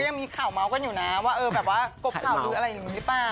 คนก็ยังมีข่าวเมาส์กันอยู่นะว่ากบข่าวหรืออะไรอย่างนี้หรือเปล่า